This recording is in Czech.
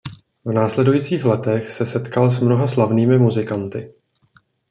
V následujících letech se setkal s mnoha slavnými muzikanty.